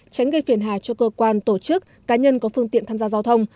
tránh gây phiền hà cho cơ quan tổ chức cá nhân có phương tiện tham gia giao thông